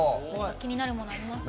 気になるものありますか？